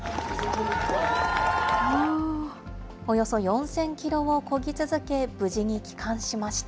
およそ４０００キロをこぎ続け、無事に帰還しました。